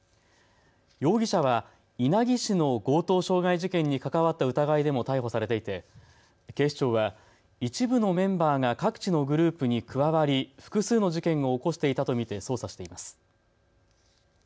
容疑者は稲城市の強盗傷害事件に関わった疑いでも逮捕されていて警視庁は一部のメンバーが各地のグループに加わり複数の事件を起こしていたと見て捜査しています。